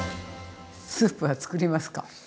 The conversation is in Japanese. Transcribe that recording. スープはつくりますか？